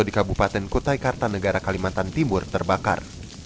di kabupaten kutai kartanegara kalimantan timur terbakar